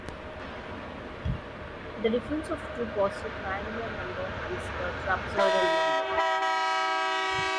The difference of two positive triangular numbers is a trapezoidal number.